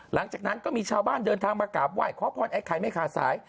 หลังจากนั้นก็มีชาวบ้านเดินทางมากราบไหว้ขอพรไอ้ไข่ไม่ขาดสาย